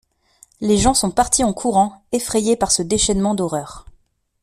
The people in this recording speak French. Les gens sont partis en courant, effrayés par ce déchaînement d'horreur.